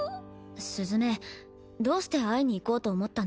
雀どうして会いに行こうと思ったの？